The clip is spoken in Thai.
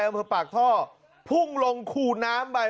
เอามาปากท่อพุ่งลงคู่น้ำไป